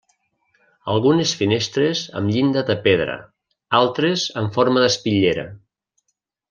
Algunes finestres amb llinda de pedra, altres amb forma d'espitllera.